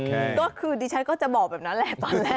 จริงคือดีชัยก็จะบอกว่าทะเลนส์นำของมันได้ได้ครับ